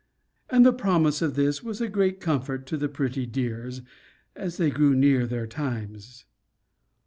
And the promise of this was a great comfort to the pretty dears, as they grew near their times.